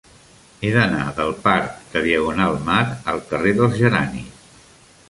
He d'anar del parc de Diagonal Mar al carrer dels Geranis.